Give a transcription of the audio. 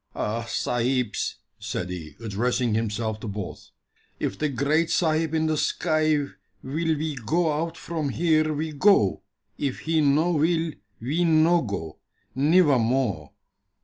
"Ah, sahibs," said he, addressing himself to both, "if the Great Sahib in the sky will we go out from here, we go if He no will, we no go nivvamore."